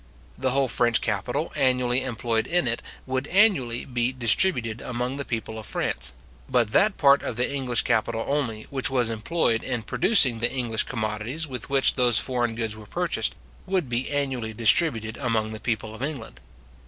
The whole French capital annually employed in it would annually be distributed among the people of France; but that part of the English capital only, which was employed in producing the English commodities with which those foreign goods were purchased, would be annually distributed among the people of England.